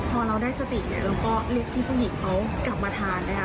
พอเราได้สติเนี่ยเราก็เรียกพี่ผู้หญิงเขากลับมาทานนะคะ